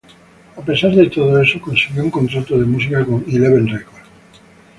A pesar de todo eso consiguió un contrato de música con eleven records.